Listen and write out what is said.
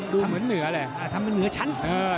ดูเหมือนเหนือแหละทำเหนือฉัน